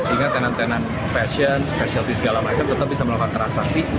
sehingga tenan tenan fashion specialty segala macam tetap bisa melakukan transaksi